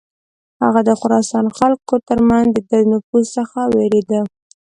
هغه د خراسان خلکو تر منځ د ده نفوذ څخه ویرېده.